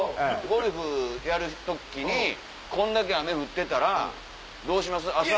ゴルフやる時にこんだけ雨降ってたらどうします？